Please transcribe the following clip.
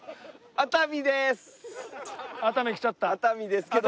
熱海ですけども。